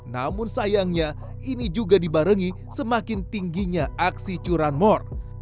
namun sayangnya ini juga dibarengi semakin tingginya aksi curanmor